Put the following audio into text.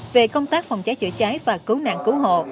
về công tác phòng cháy chữa cháy và cứu nạn cứu hộ